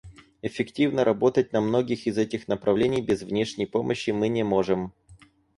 Эффективно работать на многих из этих направлений без внешней помощи мы не можем.